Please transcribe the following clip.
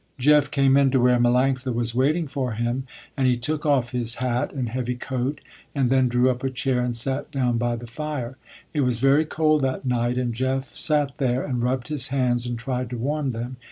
Jeff came in to where Melanctha was waiting for him, and he took off his hat and heavy coat, and then drew up a chair and sat down by the fire. It was very cold that night, and Jeff sat there, and rubbed his hands and tried to warm them.